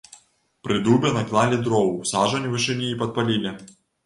Пры дубе наклалі дроў у сажань вышыні і падпалілі.